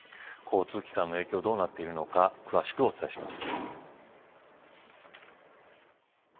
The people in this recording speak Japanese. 交通機関の影響はどうなっているのか詳しくお伝えします。